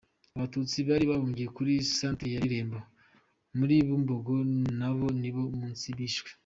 Abatutsi bari bahungiye kuri Centre ya Birembo muri Bumbogo nabo niwo munsi bishwe.